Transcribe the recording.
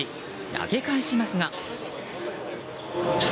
投げ返しますが。